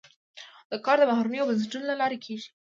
دا کار د بهیرونو او بنسټونو له لارې کیږي.